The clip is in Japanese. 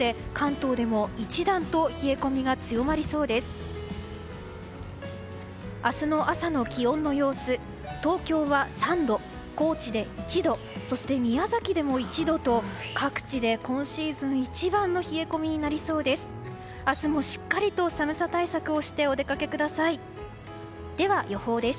東京は３度高知で１度そして、宮崎でも１度と各地で今シーズン一番の冷え込みになりそうです。